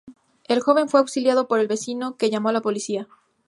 El joven fue auxiliado por un vecino que llamó a la policía.